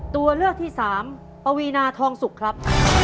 ตัวเลือกที่สามปวีนาทองสุกครับ